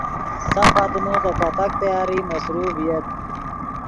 سف آدمے دے پتاک تیاری مصروف ڤییت